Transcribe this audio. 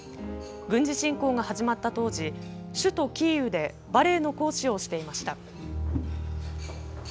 軍事侵攻が始まった当時首都キーウでバレエの講師をしていました。